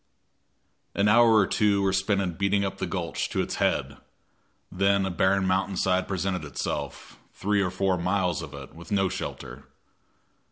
An hour or two were spent in beating up the gulch to its head. Then a barren mountain side presented itself, three or four miles of it, with no shelter.